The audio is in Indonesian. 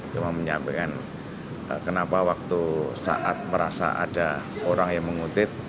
cuma menyampaikan kenapa waktu saat merasa ada orang yang mengutip